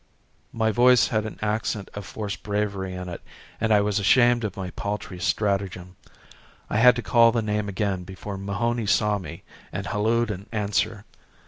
My voice had an accent of forced bravery in it and I was ashamed of my paltry stratagem. I had to call the name again before Mahony saw me and hallooed in answer.